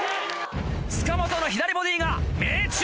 塚本の左ボディーが命中！